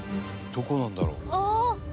「どこなんだろう？」